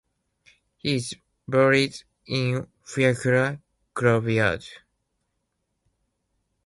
He is buried in Fiacla graveyard.